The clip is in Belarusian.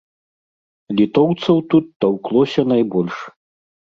Літоўцаў тут таўклося найбольш.